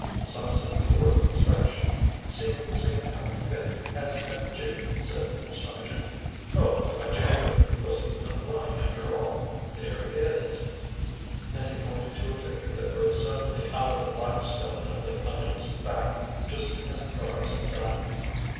"Sunset tour of inspection. Seen the same kind of thing as at Gib.," said the Sergeant. "Oh! by Jingo! Pussy isn't lying after all—there he is," and he pointed to a figure that rose suddenly out of the black stone of the idol's back just as the guards had done.